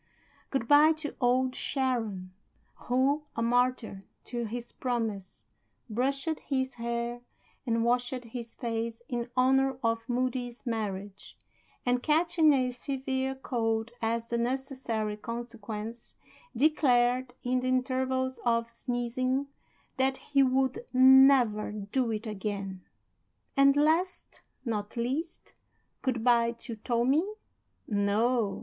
Good by to Old Sharon who, a martyr to his promise, brushed his hair and washed his face in honor of Moody's marriage; and catching a severe cold as the necessary consequence, declared, in the intervals of sneezing, that he would "never do it again." And last, not least, good by to Tommie? No.